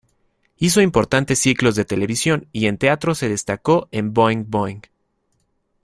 Hizo importantes ciclos de televisión y en teatro se destacó en "Boeing-Boeing".